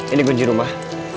ini kunci rumah